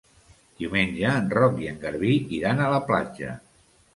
Diumenge en Roc i en Garbí iran a la platja.